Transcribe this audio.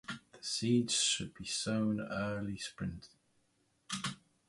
The seeds should be sown early in Spring.